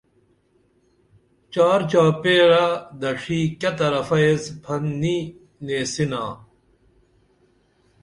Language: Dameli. چار چاپھیرہ دڇھی کیہ طرفہ ایس پھن نی نیں سِنا